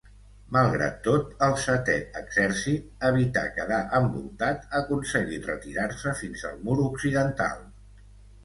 Malgrat tot, el Setè Exèrcit evità quedar envoltat, aconseguint retirar-se fins al Mur Occidental.